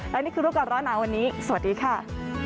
และนี่คือรูปก่อนร้อนหนาวันนี้สวัสดีค่ะ